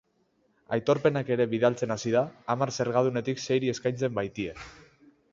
Aitorpenak ere bidaltzen hasi da, hamar zergadunetik seiri eskaintzen baitie.